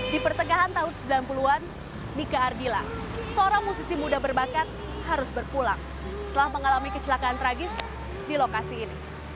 di pertengahan tahun sembilan puluh an mika ardila seorang musisi muda berbakat harus berpulang setelah mengalami kecelakaan tragis di lokasi ini